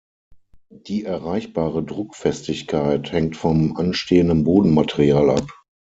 Die erreichbare Druckfestigkeit hängt vom anstehenden Bodenmaterial ab.